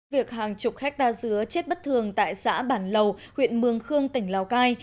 việc hàng chục hectare dứa chết bất thường tại xã bản lầu huyện mường khương tỉnh lào cai